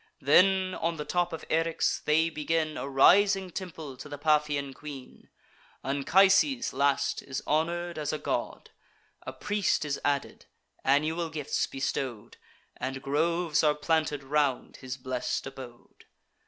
Then, on the top of Eryx, they begin A rising temple to the Paphian queen. Anchises, last, is honour'd as a god; A priest is added, annual gifts bestow'd, And groves are planted round his blest abode.